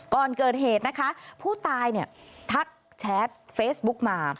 ก่อนเกิดเหตุนะคะผู้ตายเนี่ยทักแชทเฟซบุ๊กมา